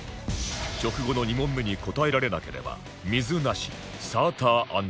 食後の２問目に答えられなければ水なしサーターアンダギー